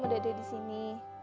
sudah ada disini